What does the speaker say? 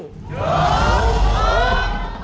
จริง